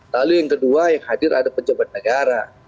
lalu yang kedua yang hadir ada pejabat negara